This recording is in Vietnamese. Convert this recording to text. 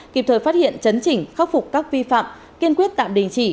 kịp thời phát hiện chấn chỉnh khắc phục các vi phạm kiên quyết tạm đình chỉ